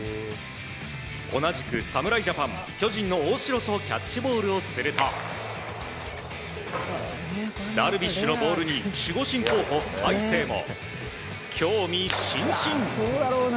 同じく侍ジャパン巨人の大城とキャッチボールをするとダルビッシュのボールに守護神候補・大勢も興味津々。